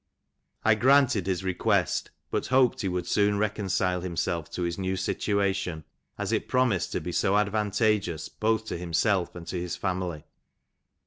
I granted his request, but hoped he would soon reconcile himself to his new situation, as it promised to be so advantageous both to himself and family.